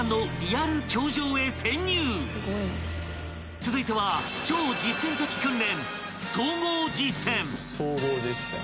［続いては超実践的訓練］